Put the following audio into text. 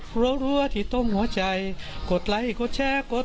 เพลงที่สุดท้ายเสียเต้ยมาเสียชีวิตค่ะ